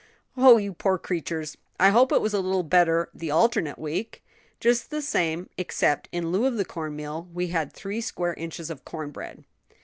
"Oh! you poor creatures! I hope it was a little better the alternate week." "Just the same, except, in lieu of the corn meal, we had three square inches of corn bread."